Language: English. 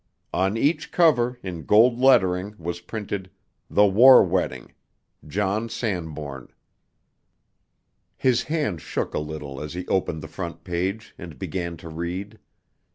On each cover, in gold lettering, was printed "The War Wedding: John Sanbourne." His hand shook a little as he opened the front page, and began to read.